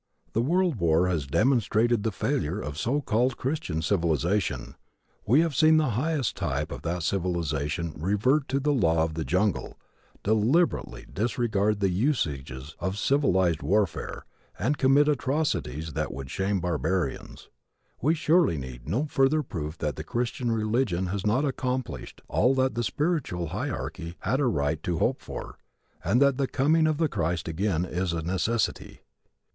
The world war has demonstrated the failure of so called Christian civilization. We have seen the highest type of that civilization revert to the law of the jungle, deliberately disregard the usages of civilized warfare, and commit atrocities that would shame barbarians. We surely need no further proof that the Christian religion has not accomplished all that the spiritual hierarchy had a right to hope for, and that the coming of the Christ again is a necessity.